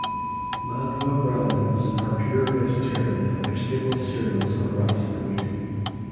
Madhwa Brahmins are pure vegetarian and their staple cereals are rice and wheat.